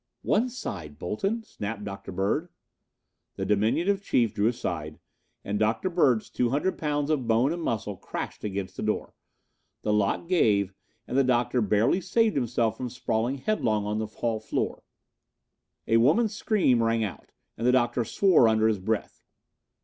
"One side, Bolton," snapped Dr. Bird. The diminutive Chief drew aside and Dr. Bird's two hundred pounds of bone and muscle crashed against the door. The lock gave and the Doctor barely saved himself from sprawling headlong on the hall floor. A woman's scream rang out, and the Doctor swore under his breath.